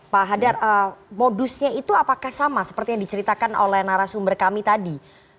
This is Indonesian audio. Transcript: pak hadar modusnya itu apakah sama seperti yang diceritakan oleh narasumber kami tadi